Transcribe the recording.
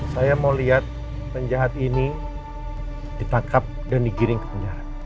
saya mau lihat penjahat ini ditangkap dan digiring penjahat